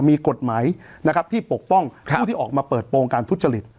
มีกฎหมายนะครับที่ปกป้องผู้ที่ออกมาเปิดโปรงการทุจริต